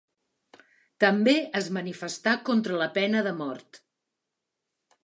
També es manifestà en contra de la pena de mort.